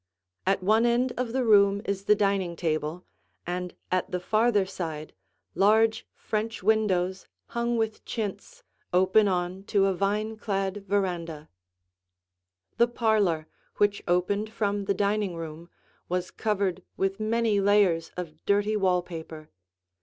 At one end of the room is the dining table, and at the farther side, large French windows hung with chintz open on to a vine clad veranda. [Illustration: The Living Room] The parlor, which opened from the dining room, was covered with many layers of dirty wall paper.